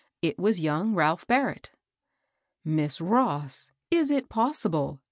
It was young Ralph Barrett. " Miss Ross ! is it possible ?